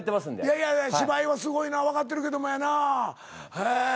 いやいや芝居はすごいのはわかってるけどもやなええ。